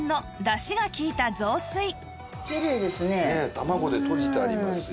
卵でとじてありますよ。